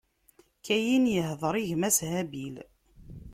Kayin ihdeṛ i gma-s Habil.